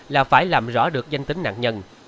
là phải làm rõ được danh tính nạn nhân